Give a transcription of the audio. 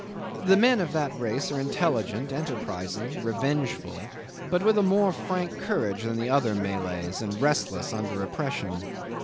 The men of that race are intelligent, enterprising, revengeful, but with a more frank courage than the other Malays, and restless under oppression.